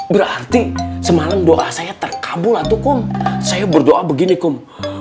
berarti semalam doa saya terkabul atau kum saya berdoa begini kum